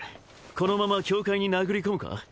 このまま教会に殴り込むか？